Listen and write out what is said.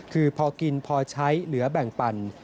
คือพอกินพอใช้เหลือแบ่งปั่น